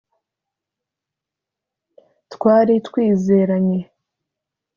twari twizeranye